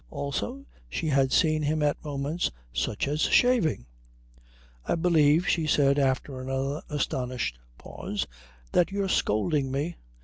Also she had seen him at moments such as shaving. "I believe," she said after another astonished pause, "that you're scolding me.